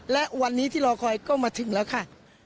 และวันนี้ที่รอคอยก็มาถึงแล้วค่ะ